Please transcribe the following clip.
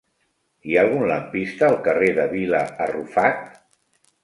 Hi ha algun lampista al carrer de Vila Arrufat?